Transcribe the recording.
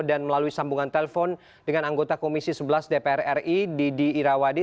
dan melalui sambungan telepon dengan anggota komisi sebelas dpr ri didi irawadi